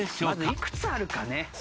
まずいくつあるかね。